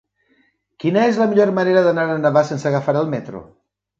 Quina és la millor manera d'anar a Navàs sense agafar el metro?